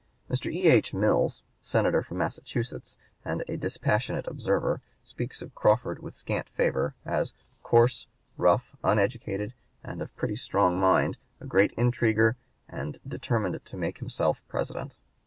Mr. E. H. Mills, Senator from Massachusetts, and a dispassionate observer, speaks of Crawford with scant favor as "coarse, rough, uneducated, of a pretty strong mind, a great intriguer, and determined to make himself President."